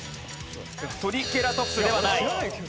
トリケラトプスではない。